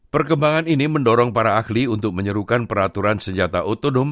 perkembangan ini mendorong para ahli untuk menyerukan peraturan senjata otonom